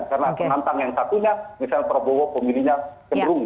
karena penantang yang satunya misalnya prabowo pemilihnya cenderung